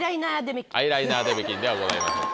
アイライナー出目金ではございません。